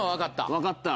分かった。